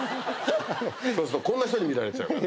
そうするとこんな人に見られちゃうから。